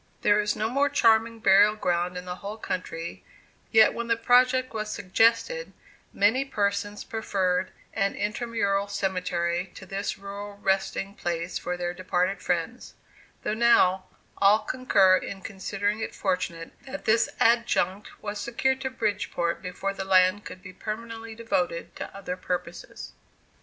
There is no more charming burial ground in the whole country; yet when the project was suggested, many persons preferred an intermural cemetery to this rural resting place for their departed friends; though now, all concur in considering it fortunate that this adjunct was secured to Bridgeport before the land could be permanently devoted to other purposes.